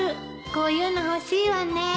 こういうの欲しいわね